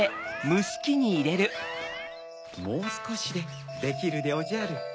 もうすこしでできるでおじゃる。